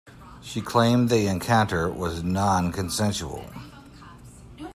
She claimed the encounter was non-consensual.